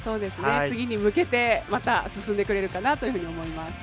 次に向けて、また進んでくれるかなというふうに思います。